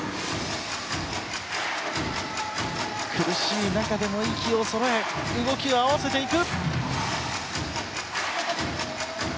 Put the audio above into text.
苦しい中でも息をそろえ動きを合わせていく。